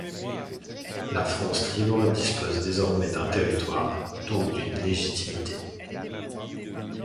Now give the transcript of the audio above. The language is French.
La France libre dispose désormais d'un territoire, donc d'une légitimité.